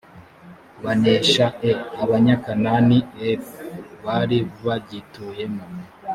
banesha e abanyakanani f bari bagituyemo